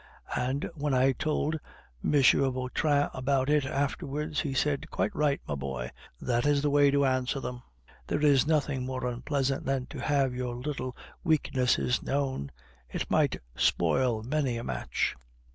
And when I told M. Vautrin about it afterwards, he said, 'Quite right, my boy. That is the way to answer them. There is nothing more unpleasant than to have your little weaknesses known; it might spoil many a match.